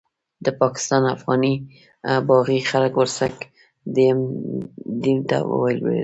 د پاکستان افغاني باغي خلک ورسک ډېم ته ولوېدل.